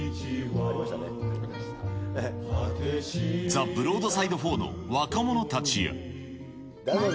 ザ・ブロードサイド・フォーの若者たちや。